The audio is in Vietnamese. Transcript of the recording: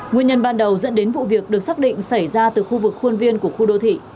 nguyên nhân ban đầu dẫn đến vụ việc được xác định xảy ra từ khu vực khuôn viên của khu đô thị